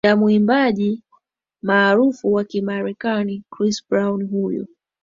ya mwimbaji maarufu wa kimarekani chris brown huyu